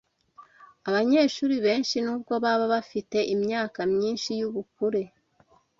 Abanyeshuri benshi nubwo baba bafite imyaka myinshi y’ubukure